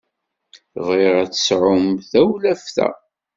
Bɣiɣ ad tesɛumt tawlaft-a.